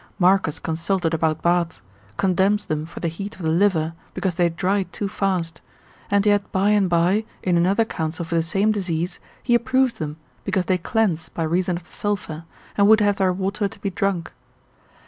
Marcus, de Oddis in Hip. affect. consulted about baths, condemns them for the heat of the liver, because they dry too fast; and yet by and by, in another counsel for the same disease, he approves them because they cleanse by reason of the sulphur, and would have their water to be drunk.